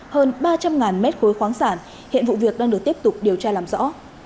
hơn ba trăm linh mét khối khoáng sản hiện vụ việc đang được tiếp tục điều tra làm rõ